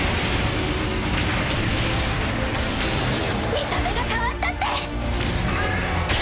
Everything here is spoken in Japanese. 見た目が変わったって。